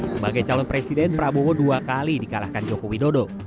sebagai calon presiden prabowo dua kali dikalahkan jokowi dodo